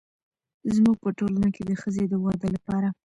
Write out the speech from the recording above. زموږ په ټولنه کې د ښځې د واده لپاره